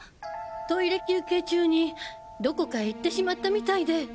トイレ休憩中にどこかへ行ってしまったみたいで。